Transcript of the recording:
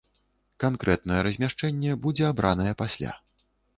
Канкрэтнае размяшчэнне будзе абранае пасля.